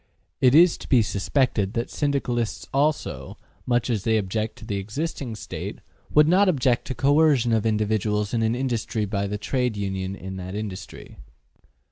It is to be suspected that Syndicalists also, much as they object to the existing State, would not object to coercion of individuals in an industry by the Trade Union in that industry.